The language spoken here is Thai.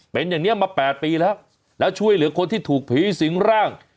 เป็นอย่างนี้มา๘ปีแล้วแล้วช่วยเหลือคนที่ถูกผีสิงร่าง